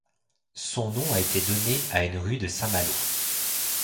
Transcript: Son nom a été donné à une rue de Saint-Malo.